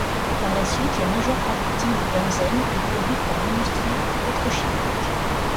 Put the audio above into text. Par la suite, la majeure partie du benzène est produite par l'industrie pétrochimique.